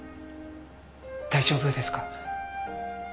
大丈夫ですか？